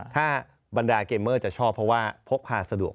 ถ้าบรรดาเกมเมอร์จะชอบเพราะว่าพกพาสะดวก